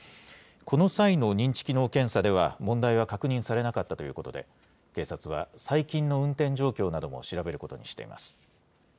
この際の認知機能検査では問題は確認されなかったということで、警察は、最近の運転状況なども調べることにしています。